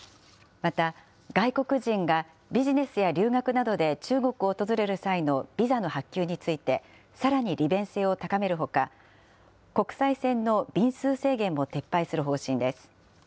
また外国人が、ビジネスや留学などで中国を訪れる際のビザの発給について、さらに利便性を高めるほか、国際線の便数制限も撤廃する方針です。